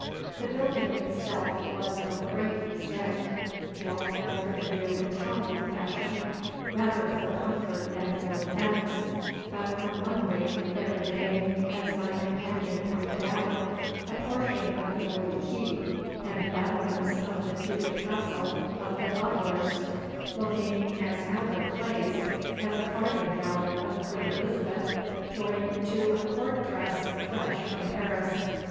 The building itself was of great extent, built after the new Italian fashion, rather for comfort than for defence; but on one wing there remained, as my companion pointed out, a portion of the old keep and battlements of the feudal castle of the Botelers, looking as out of place as a farthingale of Queen Elizabeth joined to a court dress fresh from Paris.